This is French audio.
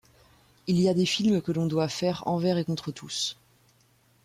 Il y a des films que l’on doit faire envers et contre tous.